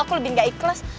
aku lebih gak ikhlas